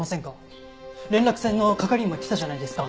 連絡船の係員も言ってたじゃないですか